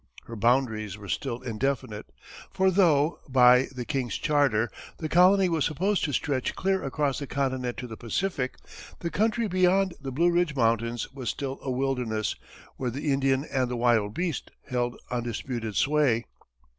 Her boundaries were still indefinite, for though, by, the king's charter, the colony was supposed to stretch clear across the continent to the Pacific, the country beyond the Blue Ridge mountains was still a wilderness where the Indian and the wild beast held undisputed sway.